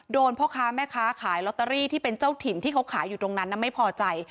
พ่อค้าแม่ค้าขายลอตเตอรี่ที่เป็นเจ้าถิ่นที่เขาขายอยู่ตรงนั้นไม่พอใจ